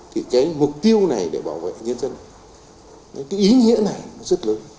thì cái mục tiêu này để bảo vệ nhân dân cái ý nghĩa này nó rất lớn